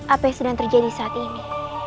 apa yang sedang terjadi saat ini